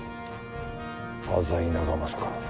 浅井長政から。